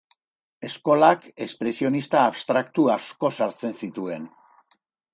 Eskolak espresionista abstraktu asko sartzen zituen.